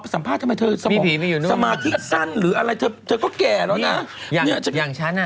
สัมภาษณ์ทำไมเธอสมภาษณ์สั้นหรืออะไรเธอก็แก่แล้วนะ